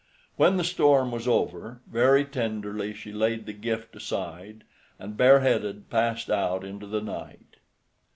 When the storm was over, very tenderly she laid the gift aside, and bareheaded passed out into the night.